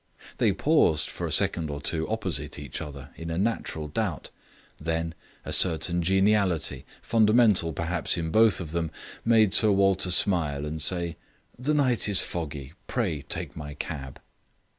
They paused for a second or two opposite each other in a natural doubt; then a certain geniality, fundamental perhaps in both of them, made Sir Walter smile and say: "The night is foggy. Pray take my cab."